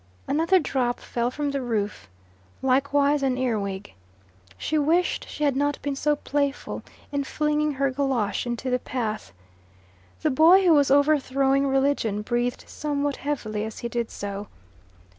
Another drop fell from the roof. Likewise an earwig. She wished she had not been so playful in flinging her golosh into the path. The boy who was overthrowing religion breathed somewhat heavily as he did so.